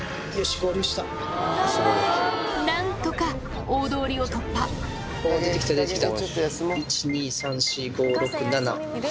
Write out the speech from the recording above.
何とか大通りを突破おぉ出てきた出てきた。